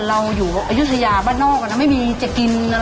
อายุศรีบ้านนอกไม่มีที่จะกิน